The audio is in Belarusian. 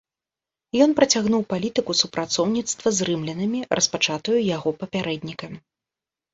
Ён працягнуў палітыку супрацоўніцтва з рымлянамі, распачатую яго папярэднікам.